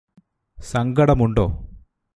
സങ്കടമുണ്ടോ